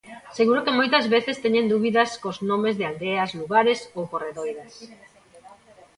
Seguro que moitas veces teñen dúbidas cos nomes de aldeas, lugares ou corredoiras.